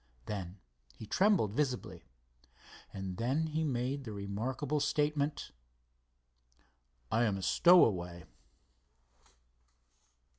Then he trembled visibly. And then he made the remarkable statement: "I am a stowaway."